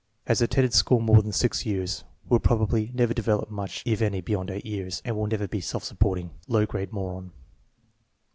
Has attended school more than six years. Will probably never develop much if any beyond 8 years, and will never be self supporting. Low grade moron.